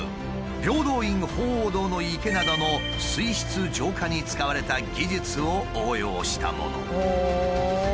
平等院鳳凰堂の池などの水質浄化に使われた技術を応用したもの。